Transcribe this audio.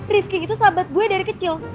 rizky itu sahabat gue dari kecil